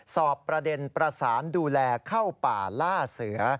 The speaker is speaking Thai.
สอบประเด็นประสานดูแลเข้าป่าล่าเสือ